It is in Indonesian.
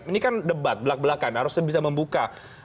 ini kan debat belak belakan harusnya bisa membuka